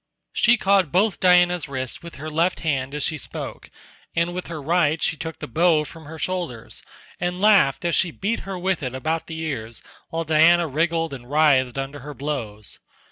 She caught both Diana's wrists with her left hand as she spoke, and with her right she took the bow from her shoulders, and laughed as she beat her with it about the ears while Diana wriggled and writhed under her blows.